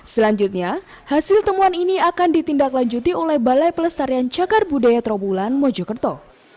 selanjutnya hasil temuan ini akan ditindaklanjuti oleh balai pelestarian cagar budaya trawulan mojokerto